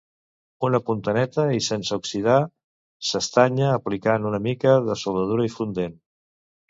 Una punta neta i sense oxidar s'estanya aplicant una mica de soldadura i fundent.